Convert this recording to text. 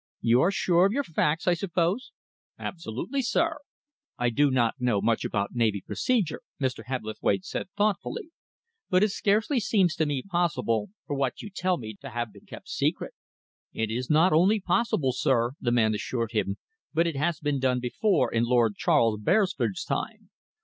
"You are sure of your facts, I suppose?" "Absolutely, sir." "I do not know much about navy procedure," Mr. Hebblethwaite said thoughtfully, "but it scarcely seems to me possible for what you tell me to have been kept secret." "It is not only possible, sir," the man assured him, "but it has been done before in Lord Charles Beresford's time.